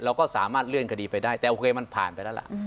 เราก็สามารถเลื่อนคดีไปได้แต่โอเคมันผ่านไปแล้วล่ะ